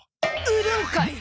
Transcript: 売るんかい！